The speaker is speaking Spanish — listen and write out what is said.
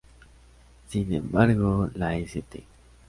Sin embargo, la St.